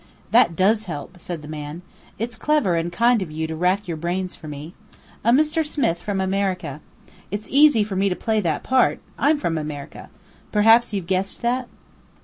'" "That does help," said the man. "It's clever and kind of you to rack your brains for me. A Mr. Smith from America! It's easy for me to play that part, I'm from America. Perhaps you've guessed that?"